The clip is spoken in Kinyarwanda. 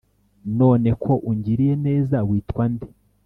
"None ko ungiriye neza witwa nde?"